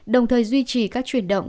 đồng thời duy trì các chuyển động